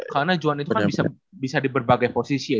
karena juan itu kan bisa di berbagai posisi ya